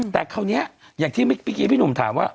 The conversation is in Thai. แต่คราวนี้อย่างที่เมื่อกี้พี่หนุ่มถามว่า